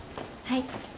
はい。